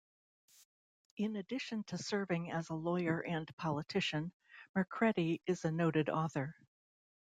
In addition to serving as a lawyer and politician, Mercredi is a noted author.